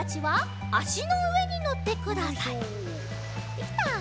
できた！